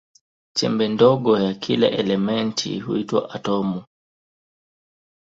Chembe ndogo ya kila elementi huitwa atomu.